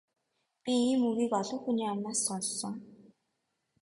Би ийм үгийг олон хүний амнаас сонссон.